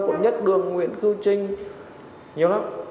cũng nhất đường nguyễn cư trinh nhiều lắm